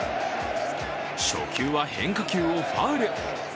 初球は変化球をファウル。